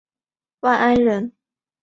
万安人。